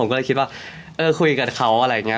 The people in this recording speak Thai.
ก็เลยคิดว่าเออคุยกับเขาอะไรอย่างนี้